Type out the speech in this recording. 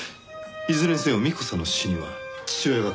いずれにせよ幹子さんの死には父親が絡んでいる。